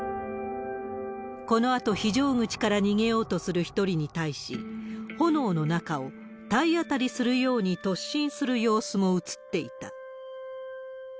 このあと、非常口から逃げようとする１人に対し、炎の中を体当たりするように突進する様子も映っていた。